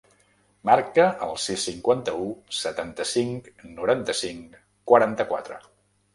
Marca el sis, cinquanta-u, setanta-cinc, noranta-cinc, quaranta-quatre.